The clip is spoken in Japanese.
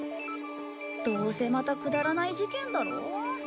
どうせまたくだらない事件だろ。